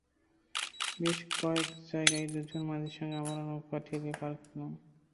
বেশ কয়েক জায়গায় দুজন মাঝির সঙ্গে আমরাও নৌকা ঠেলে পার করলাম।